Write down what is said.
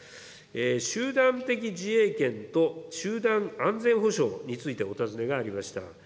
集団的自衛権と集団安全保障についてお尋ねがありました。